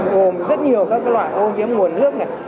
gồm rất nhiều loại ô nhiễm nguồn nước